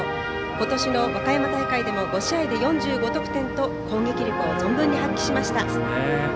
今年の和歌山大会でも５試合で４５得点と攻撃力を存分に発揮しました。